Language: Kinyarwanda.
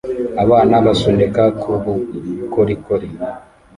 Abana basunika ku bukorikori